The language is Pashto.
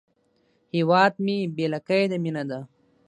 هیواد مې بې له قیده مینه ده